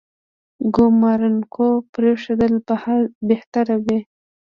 ګومارونکو پرېښودل بهتره وي.